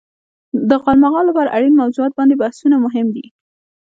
د غالمغال لپاره اړين موضوعات باندې بحثونه مهم دي.